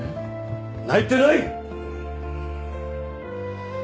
泣いてない！